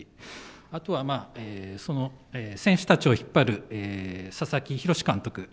あとは、選手たちを引っ張る佐々木浩監督。